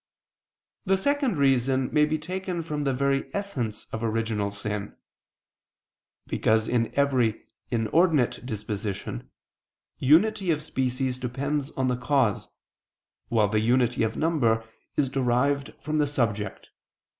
The second reason may be taken from the very essence of original sin. Because in every inordinate disposition, unity of species depends on the cause, while the unity of number is derived from the subject.